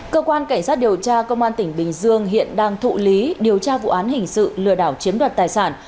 cơ quan cảnh sát điều tra công an tỉnh bình dương hiện đang thụ lý điều tra vụ án hình sự lừa đảo chiếm đoạt tài sản